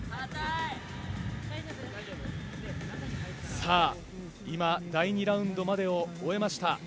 さあ、今第２ラウンドまでを終えました。